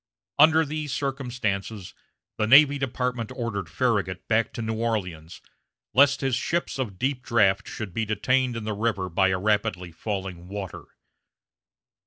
Under these circumstances, the Navy Department ordered Farragut back to New Orleans, lest his ships of deep draft should be detained in the river by the rapidly falling water.